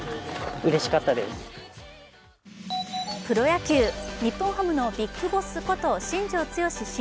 プロ野球、日本ハムのビッグボスこと新庄剛志